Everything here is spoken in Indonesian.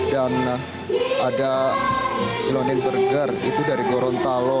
dan ada ilonin burger itu dari gorontalo